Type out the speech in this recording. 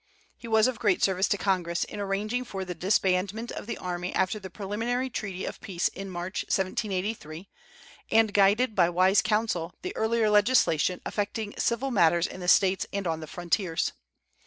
He was of great service to Congress in arranging for the disbandment of the army after the preliminary treaty of peace in March, 1783, and guided by wise counsel the earlier legislation affecting civil matters in the States and on the frontiers.